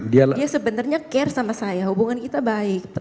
dia sebenarnya care sama saya hubungan kita baik